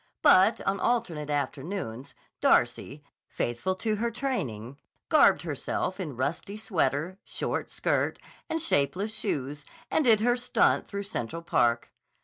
But on alternate afternoons, Darcy, faithful to her training, garbed herself in rusty sweater, short skirt, and shapeless shoes, and did her stunt through Central Park.